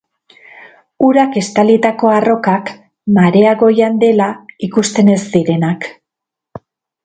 Urak estalitako arrokak, marea goian dela ikusten ez direnak.